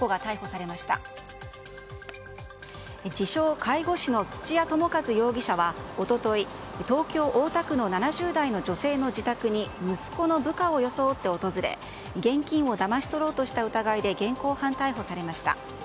自称介護士の土屋智和容疑者は一昨日東京・大田区の７０代の女性の自宅に息子の部下を装って訪れ現金をだまし取ろうとした疑いで現行犯逮捕されました。